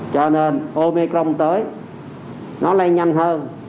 cho nên omicron tới nó lây nhanh hơn